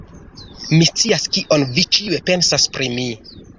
Mi scias, kion vi ĉiuj pensas pri mi!